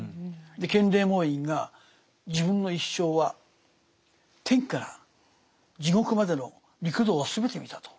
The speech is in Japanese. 建礼門院が自分の一生は天から地獄までの六道は全て見たと。